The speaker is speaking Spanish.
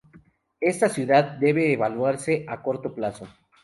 Esta cualidad debe evaluarse a corto plazo.